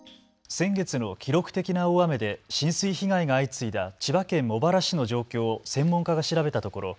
先月の記録的な大雨で浸水被害が相次いだ千葉県茂原市の状況を専門家が調べたところ